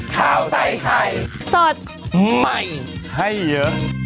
ข้าวใส่ไข่สดใหม่ให้เยอะ